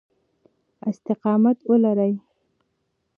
استقامت ولرئ.